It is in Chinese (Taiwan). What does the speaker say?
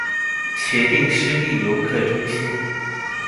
茄萣濕地遊客中心